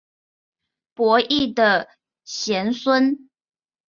伯益的玄孙。